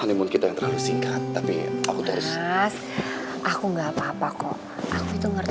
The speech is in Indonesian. namun hatiku tak kunjung pintar